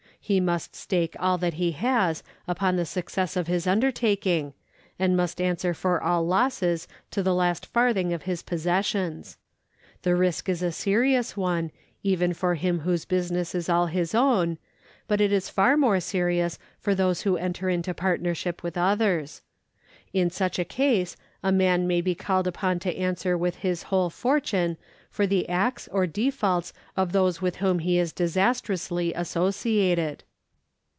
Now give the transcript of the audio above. He must stake all that he has upon the success of his undertaking, and must answei' for all losses to the last farthing of his possessions. The risk is a serious one even for him whose business is all his own, but it is far more serious for those who enter into partnership with others. In such a case a man may be called upon to answer with his whole fortune for the acts or defaults of those with whom he is disastrously associated.